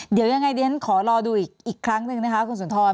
เดี๋ยวยังไงเดี๋ยวฉันขอรอดูอีกครั้งหนึ่งนะคะคุณสุนทร